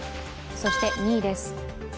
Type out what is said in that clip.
そして、２位です。